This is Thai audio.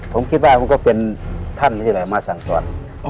ผมคิดว่าคุณก็เป็นท่านที่มาสั่งสอน